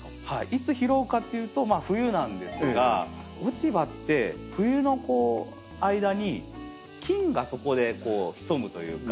いつ拾うかっていうと冬なんですが落ち葉って冬の間に菌がそこで潜むというか。